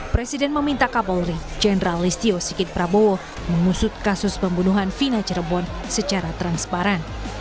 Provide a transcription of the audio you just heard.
presiden meminta kapolri jenderal listio sikit prabowo mengusut kasus pembunuhan vina cirebon secara transparan